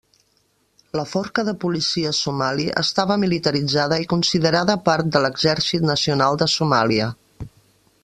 La Forca de Policia Somali estava militaritzada i considerada part de l'Exèrcit Nacional de Somàlia.